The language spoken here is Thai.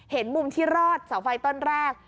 เห็นมุมที่รอดเสาไฟต้นแรก